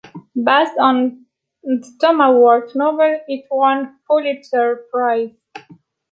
Based on the Thomas Wolfe novel, it won a Pulitzer Prize.